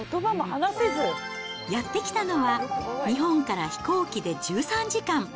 やって来たのは、日本から飛行機で１３時間。